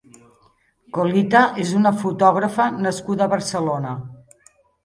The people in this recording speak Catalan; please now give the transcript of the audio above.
Colita és una fotògrafa nascuda a Barcelona.